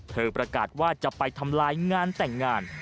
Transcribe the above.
ประกาศว่าจะไปทำลายงานแต่งงาน